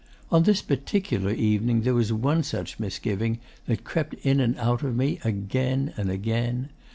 On this particular evening there was one such misgiving that crept in and out of me again and again...